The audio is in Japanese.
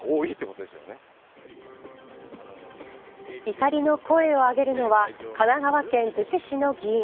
怒りの声を上げるのは神奈川県逗子市の議員。